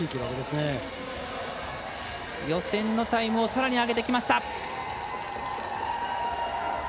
予選のタイムをさらに上げてきました。